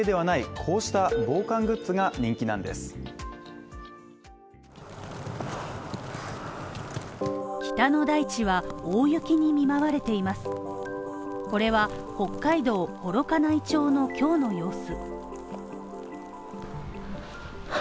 これは北海道幌加内町の今日の様子。